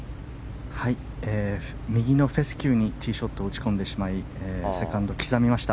右のフェスキューにティーショットを打ち込んでしまいセカンド、刻みました。